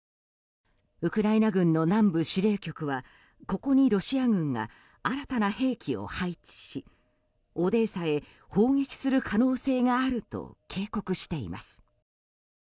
ウクライナ軍の南部指令局はここにロシア軍が新たな兵器を配置しオデーサへ砲撃する可能性があると警告しています。